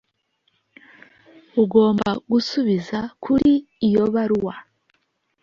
ugomba gusubiza kuri iyo baruwa